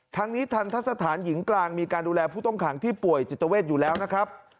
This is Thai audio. ทั้งนี้ทันทะสถานหญิงกลางมีการดูแลผู้ต้องขังที่ป่วยจิตเวทอยู่แล้วนะครับ